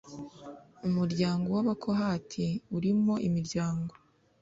Umuryango w Abakohati urimo imiryango